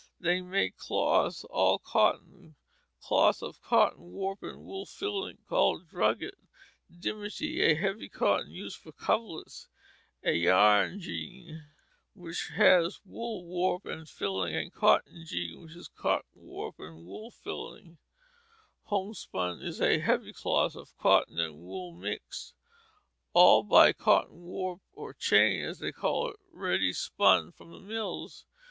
They make cloth, all cotton; cloth of cotton warp and wool filling called drugget; dimity, a heavy cotton used for coverlets; a yarn jean which has wool warp and filling, and cotton jean which is cotton warp and wool filling; homespun is a heavy cloth, of cotton and wool mixed. All buy cotton warp or "chain," as they call it, ready spun from the mills.